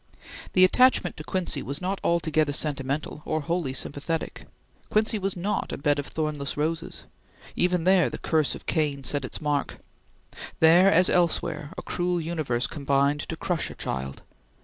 The attachment to Quincy was not altogether sentimental or wholly sympathetic. Quincy was not a bed of thornless roses. Even there the curse of Cain set its mark. There as elsewhere a cruel universe combined to crush a child.